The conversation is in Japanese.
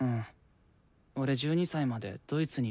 俺１２歳までドイツにいたから。